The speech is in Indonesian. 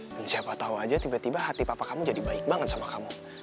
dan siapa tahu aja tiba tiba hati papa kamu jadi baik banget sama kamu